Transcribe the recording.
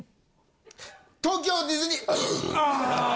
東京ディズニー。